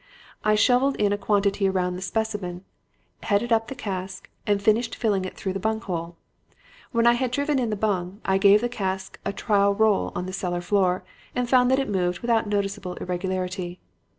I shoveled in a quantity around the specimen, headed up the cask, and finished filling it through the bung hole. When I had driven in the bung, I gave the cask a trial roll on the cellar floor and found that it moved without noticeable irregularity.